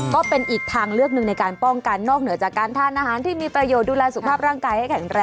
ก็เป็นอีกทางเลือกหนึ่งในการป้องกันนอกเหนือจากการทานอาหารที่มีประโยชน์ดูแลสุขภาพร่างกายให้แข็งแรง